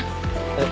えっ？